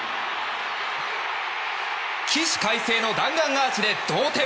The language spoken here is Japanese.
起死回生の弾丸アーチで同点！